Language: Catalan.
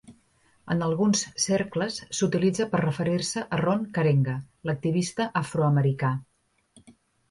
En alguns cercles, s'utilitza per referir-se a Ron Karenga, l'activista afro-americà.